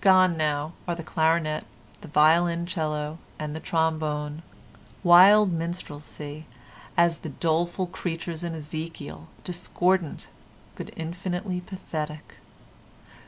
Gone now are the clarinet, the violoncello and the trombone, wild minstrelsy as of the doleful creatures in Ezekiel, discordant, but infinitely pathetic.